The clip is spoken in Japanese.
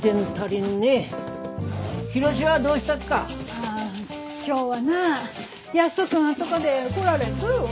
ああ今日はな約束あっとかで来られんとよ。